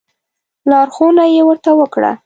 لارښوونه یې ورته وکړه.